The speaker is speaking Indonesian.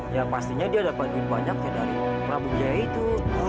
ya pastinya dia dapat lebih banyak dari prabu jaya itu